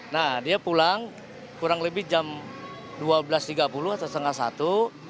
nah dia pulang kurang lebih jam dua belas tiga puluh atau setengah satu